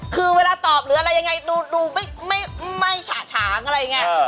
คือเวลาตอบหรืออะไรยังไงดูไม่ฉะฉางอะไรอย่างนี้